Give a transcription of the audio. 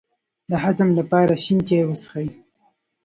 د هضم لپاره شین چای وڅښئ